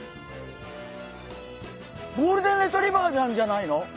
ゴールデンレトリバーなんじゃないの？